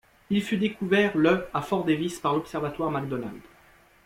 Il fut découvert le à Fort Davis par l'observatoire McDonald.